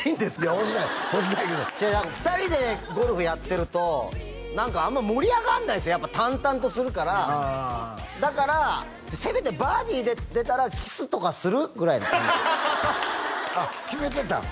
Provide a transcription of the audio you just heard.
いや欲しくない欲しくないけど何か２人でゴルフやってると何かあんま盛り上がんないんすよやっぱ淡々とするからだからせめてバーディー出たらキスとかする？ぐらいの感じあっ決めてたん？